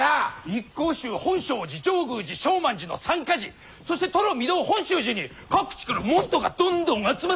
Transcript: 一向宗本證寺上宮寺勝鬘寺の三か寺そして土呂御堂本宗寺に各地から門徒がどんどん集まっております！